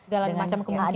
dalam macam kemampuan